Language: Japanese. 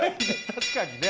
確かにね